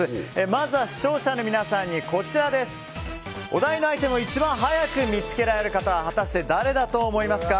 まずは視聴者の皆さんにお題のアイテムを一番早く見つけられる方は果たして誰だと思いますか？